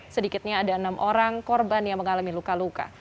sedikitnya ada enam orang korban yang mengalami luka luka